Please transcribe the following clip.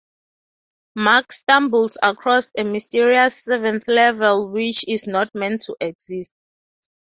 Mark stumbles across a mysterious seventh level which is not meant to exist.